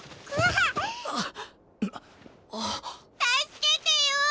助けてよ！